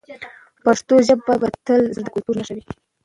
پښتو ژبه به تل زموږ د کلتور نښه وي.